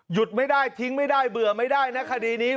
ไม่ได้ทิ้งไม่ได้เบื่อไม่ได้นะคดีนี้